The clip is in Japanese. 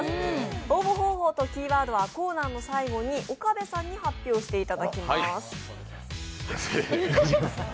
応募方法とキーワードはコーナーの最後に岡部さんに発表していただきます。